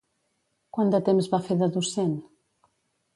Quant de temps va fer de docent?